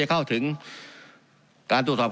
การปรับปรุงทางพื้นฐานสนามบิน